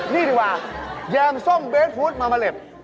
นี่ดิวะแยมส้มเบสฟูตมามะเล็บ